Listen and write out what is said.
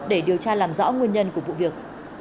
để điều tra làm rõ nguyên nhân của vụ việc